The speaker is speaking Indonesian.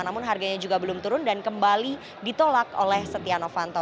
namun harganya juga belum turun dan kembali ditolak oleh setia novanto